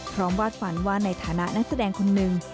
วาดฝันว่าในฐานะนักแสดงคนหนึ่ง